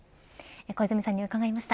小泉さんに伺いました。